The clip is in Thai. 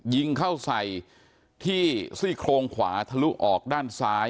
ยิงเข้าใส่ที่ซี่โครงขวาทะลุออกด้านซ้าย